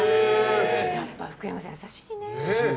やっぱり福山さん優しいね！